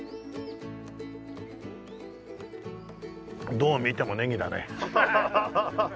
どう見てもネギだね。